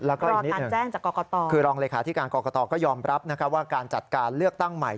แล้วก็อีกนิดหนึ่งคือรองรีคาที่การกรกตก็ยอมรับนะครับว่าการจัดการเลือกตั้งใหม่